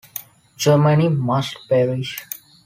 Germany Must Perish!